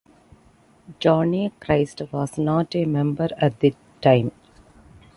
Johnny Christ was not a member at the time.